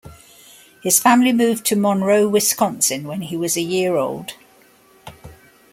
His family moved to Monroe, Wisconsin, when he was a year old.